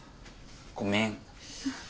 ごめん。